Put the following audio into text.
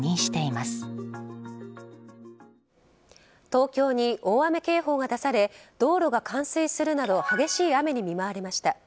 東京に大雨警報が出され道路が冠水するなど激しい雨に見舞われました。